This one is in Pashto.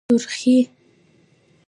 💄سورخي